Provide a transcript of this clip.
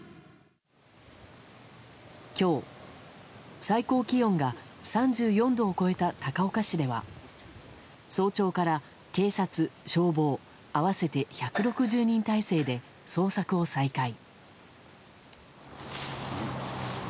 今日、最高気温が３４度を超えた高岡市では早朝から警察・消防合わせて１６０人態勢で捜索を再開。